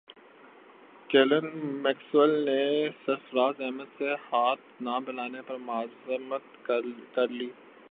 Glenn Maxwell نے سرفراز احمد سے ہاتھ نہ ملانے پر معذرت کر لی